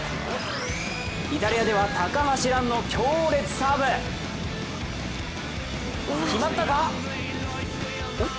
イタリアでは、高橋藍の強烈サーブ！決まったか？